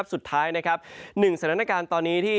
สุดท้าย๑สถานการณ์ตอนนี้